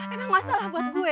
emang masalah buat gue